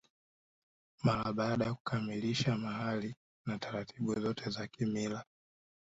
Mara baada ya kukamilisha mahari na taratibu zote za kimila